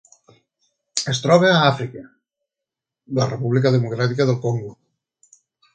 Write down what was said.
Es troba a Àfrica: la República Democràtica del Congo.